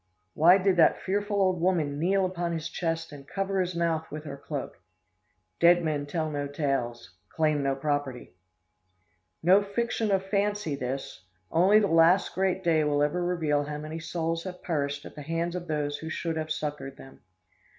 Why did that fearful old woman kneel upon his chest and cover his mouth with her cloak? Dead men tell no tales claim no property!" No fiction of the fancy, this! Only the last great day will ever reveal how many souls have perished at the hands of those who should have succored them.